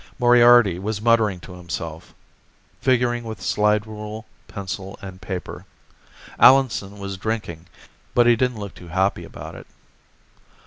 Moriarty was muttering to himself, figuring with slide rule, pencil and paper. Allenson was drinking, but he didn't look too happy about it.